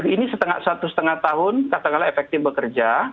ini satu setengah tahun katakanlah efektif bekerja